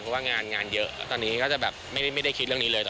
เพราะว่างานงานเยอะตอนนี้ก็จะแบบไม่ได้คิดเรื่องนี้เลย